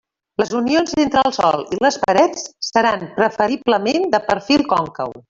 Les unions entre el sòl i les parets seran preferiblement de perfil còncau.